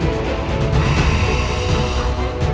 hamba hendak melapor